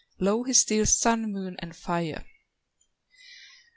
LOUHI STEALS SUN, MOON, AND FIRE.